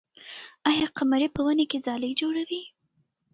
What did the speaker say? آیا قمري په ونې کې ځالۍ جوړوي؟